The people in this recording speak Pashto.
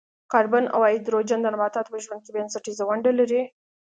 کاربن او هایدروجن د نباتاتو په ژوند کې بنسټیزه ونډه لري.